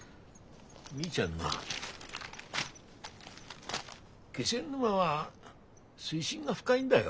みーちゃんな気仙沼は水深が深いんだよ。